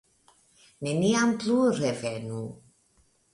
Neniam plu revenu!